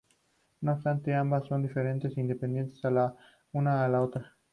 No obstante, ambas son diferentes e independientes la una de la otra.